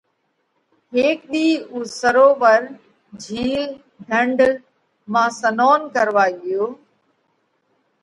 هيڪ ۮِي اُو سرووَر (جھِيل، ڍنڍ) مانه سنونَ ڪروا ڳيا۔